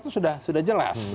itu sudah jelas